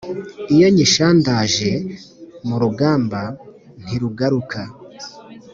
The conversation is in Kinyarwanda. Iyo nyishandaje mu rugamba ntirugaruka,